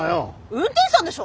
運転手さんでしょ？